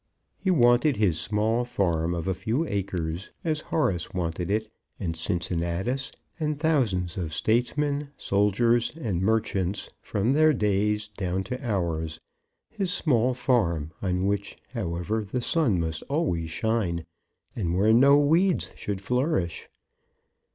He wanted his small farm of a few acres, as Horace wanted it, and Cincinnatus, and thousands of statesmen, soldiers, and merchants, from their days down to ours; his small farm, on which, however, the sun must always shine, and where no weeds should flourish.